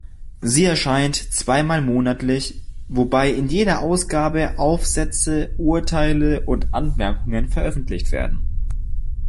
Sie erscheint zweimal monatlich, wobei in jeder Ausgabe Aufsätze, Urteile und Anmerkungen veröffentlicht werden.